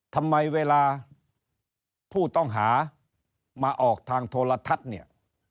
ทำไมเวลาผู้ต้องหามาออกทางโทรทัศน์เนี่ย